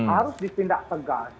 harus dipindah segar